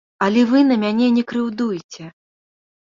Але вы на мяне не крыўдуйце.